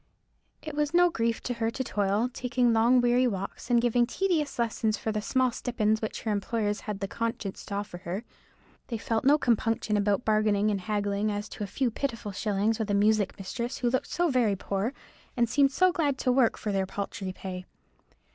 It was no grief to her to toil, taking long weary walks and giving tedious lessons for the small stipends which her employers had the conscience to offer her; they felt no compunction about bargaining and haggling as to a few pitiful shillings with a music mistress who looked so very poor, and seemed so glad to work for their paltry pay.